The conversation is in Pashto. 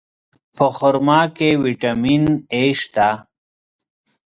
په خرما کې ویټامین A شته.